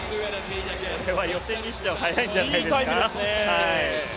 これは予選にしては速いんじゃないですか。